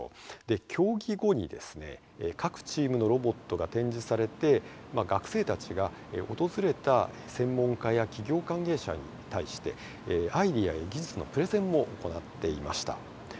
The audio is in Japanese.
競技後に各チームのロボットが展示されて学生たちが訪れた専門家や企業関係者に対してアイデアや技術のプレゼンを行っていました。